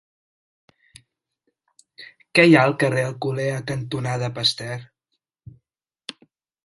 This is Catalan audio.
Què hi ha al carrer Alcolea cantonada Pasteur?